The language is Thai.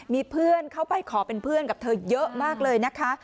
มีเพื่อนเข้าไปขอเป็นเพื่อนกับเธอเยอะมากเลยนะคะ